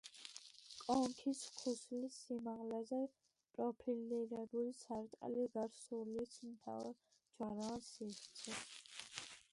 კონქის ქუსლის სიმაღლეზე პროფილირებული სარტყელი გარს უვლის მთავარ ჯვაროვან სივრცეს.